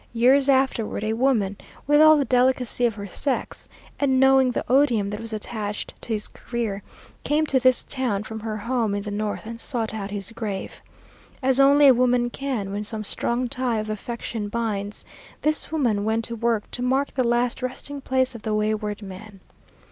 Years afterward a woman, with all the delicacy of her sex, and knowing the odium that was attached to his career, came to this town from her home in the North and sought out his grave. As only a woman can, when some strong tie of affection binds, this woman went to work to mark the last resting place of the wayward man.